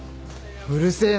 うるせえな。